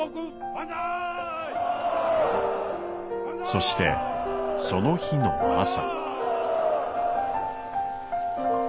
そしてその日の朝。